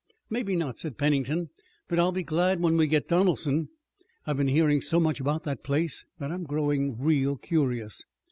"Maybe not," said Pennington, "but I'll be glad when we get Donelson. I've been hearing so much about that place that I'm growing real curious."